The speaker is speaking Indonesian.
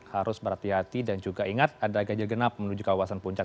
harus berhati hati dan juga ingat ada ganjil genap menuju kawasan puncak